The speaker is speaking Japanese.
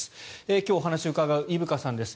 今日、お話を伺う伊深さんです。